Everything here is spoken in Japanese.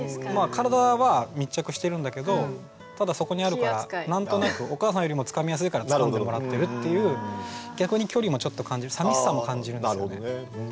体は密着してるんだけどただそこにあるから何となくお母さんよりもつかみやすいからつかんでもらってるっていう逆に距離もちょっと感じるさみしさも感じるんですよね。